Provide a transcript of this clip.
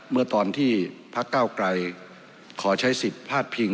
เมื่อตอนที่พักเก้าไกรขอใช้สิทธิ์พาดพิง